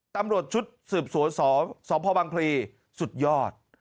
ตำรวจชุดสืบสวนสพบังพลีสุดยอด